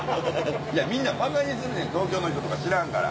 いやみんなばかにすんねん東京の人とか知らんから。